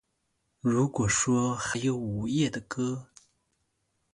如果说还有午夜的歌